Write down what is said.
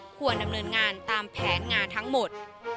ควรดำเนินงานตามแผนงานทั้งหมด